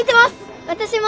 私も。